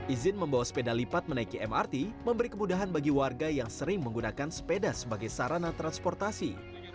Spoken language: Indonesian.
izin membawa sepeda lipat menaiki mrt memberi kemudahan bagi warga yang sering menggunakan sepeda sebagai sarana transportasi